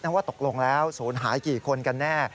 ว่าตกลงแล้วศูนย์หายกี่คนกันแน่